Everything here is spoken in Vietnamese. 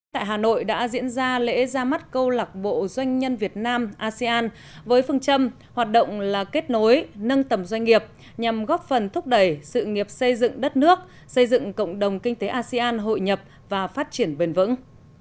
tại hà nội đã diễn ra lễ ra mắt câu lạc bộ doanh nhân việt nam asean với phương châm hoạt động là kết nối nâng tầm doanh nghiệp nhằm góp phần thúc đẩy sự nghiệp xây dựng đất nước xây dựng cộng đồng kinh tế asean hội nhập và phát triển bền vững